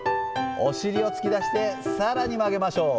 お尻を突き出してさらに曲げましょう。